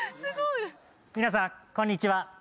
皆さんこんにちは。